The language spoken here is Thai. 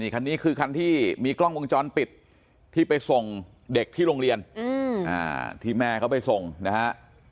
คันนี้คือคันที่มีกล้องวงจรปิดที่ไปส่งเด็กที่โรงเรียนที่แม่เขาไปส่งนะฮะ